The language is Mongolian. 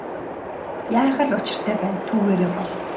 Яах л учиртай байна түүгээрээ бол.